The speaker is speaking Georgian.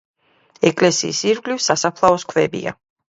ეკლესიის ირგვლივ სასაფლაოს ქვებია.